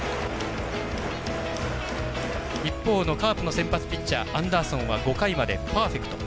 一方のカープの先発ピッチャーアンダーソンは５回までパーフェクト。